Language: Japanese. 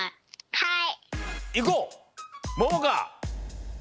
はい。